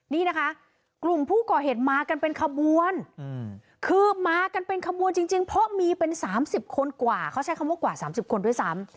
นี่นะคะกลุ่มผู้ก่อเหตุมากันเป็นขบวนคือมากันเป็นขบวนจริงเพราะมีเป็น๓๐คนกว่าเขาใช้คำว่ากว่า๓๐คนด้วยซ้ำ